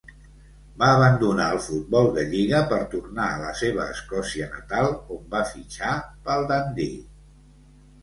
Va abandonar el futbol de lliga per tornar a la seva Escòcia natal, on va fitxar pel Dundee.